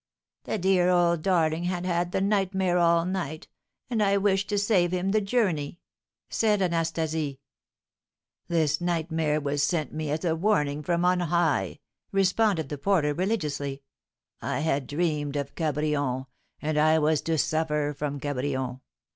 "The dear old darling had had the nightmare all night, and I wished to save him the journey," said Anastasie. "This nightmare was sent me as a warning from on high," responded the porter, religiously. "I had dreamed of Cabrion, and I was to suffer from Cabrion.